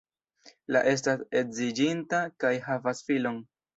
La estas edziĝinta kaj havas filon.